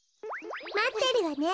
まってるわね。